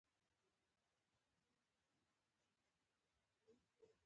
هغه د شپاړس سوه اته پنځوس کال شاوخوا تللی و.